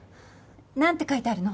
何て書いてあるの？